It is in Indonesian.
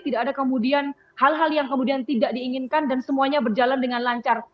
tidak ada kemudian hal hal yang kemudian tidak diinginkan dan semuanya berjalan dengan lancar